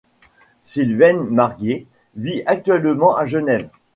Sylvaine Marguier vit actuellement à Genève.